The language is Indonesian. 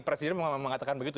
presiden mengatakan begitu